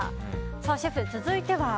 シェフ、続いては？